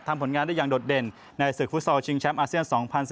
ผลงานได้อย่างโดดเด่นในศึกฟุตซอลชิงแชมป์อาเซียน๒๐๑๙